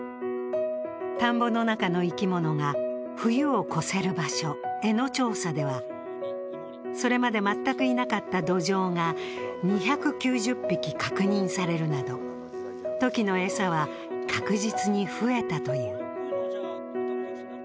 田んぼの中の生き物が冬を越せる場所、江の調査では、それまで全くいなかったドジョウが２９０匹確認されるなど、トキの餌は確実に増えたという。